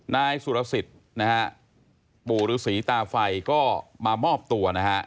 นายสุรสิทธิ์นะฮะปู่ฤษีตาไฟก็มามอบตัวนะฮะ